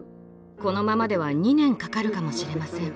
このままでは２年かかるかもしれません。